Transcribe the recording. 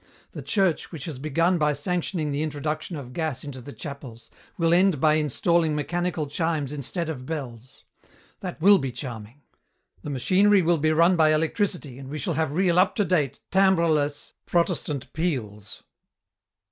The Church, which has begun by sanctioning the introduction of gas into the chapels, will end by installing mechanical chimes instead of bells. That will be charming. The machinery will be run by electricity and we shall have real up to date, timbreless, Protestant peals."